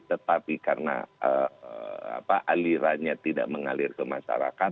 tetapi karena alirannya tidak mengalir ke masyarakat